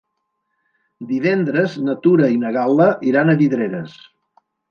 Divendres na Tura i na Gal·la aniran a Vidreres.